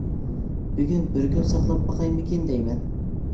بۈگۈن بىر كۈن ساقلاپ باقايمىكىن دەيمەن.